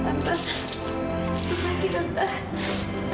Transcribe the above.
terima kasih tante